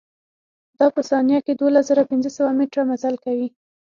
دا په ثانيه کښې دولز زره پنځه سوه مټره مزل کوي.